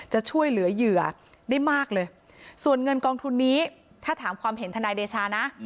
จะช่วยเหลือเหยื่อได้มากเลยส่วนเงินกองทุนนี้ถ้าถามความเห็นทนายเดชานะ